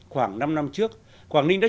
khoảng năm năm trước quảng ninh đã